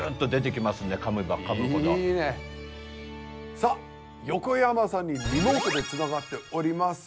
さあ横山さんにリモートでつながっております。